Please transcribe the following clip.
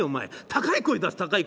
高い声を出せ高い声を。